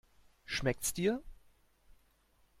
Schmeckt's dir?